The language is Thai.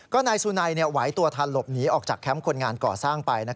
ก็นายสุนัยไหวตัวทันหลบหนีออกจากแคมป์คนงานก่อสร้างไป